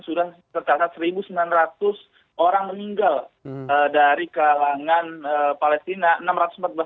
sudah tercatat satu sembilan ratus orang meninggal dari kalangan palestina